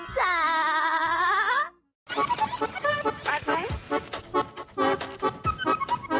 จะตามไปกินถึงบ้านแล้วนะครับนี่